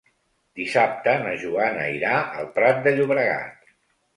Dissabte na Joana irà al Prat de Llobregat.